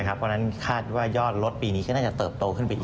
เพราะฉะนั้นคาดว่ายอดรถปีนี้ก็น่าจะเติบโตขึ้นไปอีก